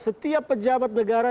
setiap pejabat negara